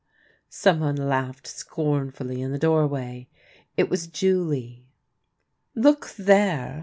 " Some one laughed scornfully in the doorway. It was Julie. " Look there